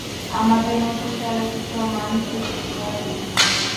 আমাদের নতুন চলচ্চিত্র মাঞ্চুরিয়ার উপর।